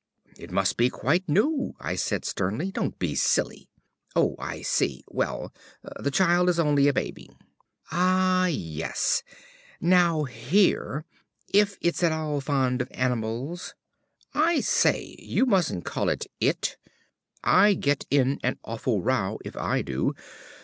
"It must be quite new," I said sternly. "Don't be silly. Oh, I see; well, the child is only a baby." "Ah, yes. Now here if it's at all fond of animals " "I say, you mustn't call it 'IT.' I get in an awful row if I do.